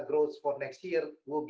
tahun depan akan berlaku